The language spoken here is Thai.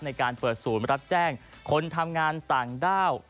ในการเปิดศูนย์รับแจ้งคนทำงานต่างด้าว